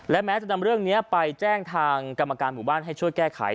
และแม้จะนำเรื่องนี้ไปแจ้งทางกรรมการหมู่บ้านให้ช่วยแก้ไข